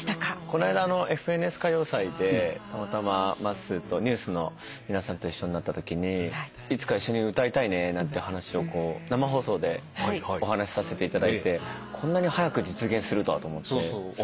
この間『ＦＮＳ歌謡祭』でたまたままっすーとＮＥＷＳの皆さんと一緒になったときにいつか一緒に歌いたいねなんて話を生放送でお話しさせていただいてこんなに早く実現するとはと思ってすごいうれしかったです。